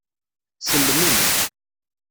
Sellmen.